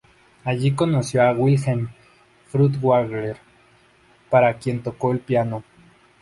Allí conoció a Wilhelm Furtwängler, para quien tocó el piano.